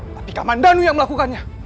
tapi kamandanu yang melakukannya